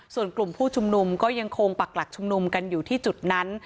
ส่วนกลุ่มผู้ชุมนุมก็ยังคงปักหลักชุมนุมกันอยู่ที่จุดนั้น